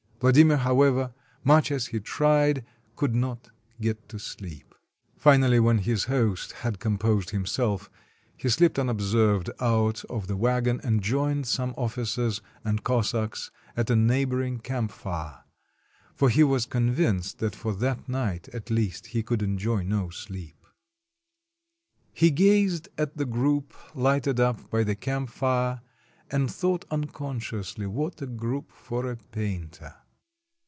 Vladimir, however, much as he tried, could not get to sleep. Finally, when his host had composed himself, he slipped unobserved out of the wagon and joined some ofiicers and Cossacks at a neigh boring camp fire, for he was convinced that for that night, at least, he could enjoy no sleep. 224 THE CAPTURE OF A REDOUBT He gazed at the group lighted up by the camp fire, and thought unconsciously what a group for a painter.